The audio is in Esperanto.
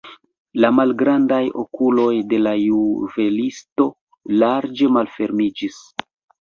La malgrandaj okuloj de la juvelisto larĝe malfermiĝis.